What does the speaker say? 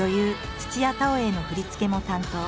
土屋太鳳への振り付けも担当。